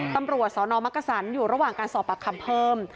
ตำรวจสนมักกษันอยู่ระหว่างการสอบปากคำเพิ่ม